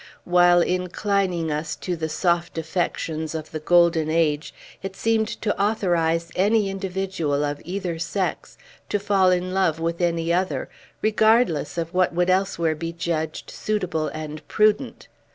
While inclining us to the soft affections of the golden age, it seemed to authorize any individual, of either sex, to fall in love with any other, regardless of what would elsewhere be judged suitable and prudent.